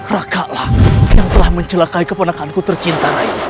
rakalah yang telah mencelakai keponakan ku tercinta rai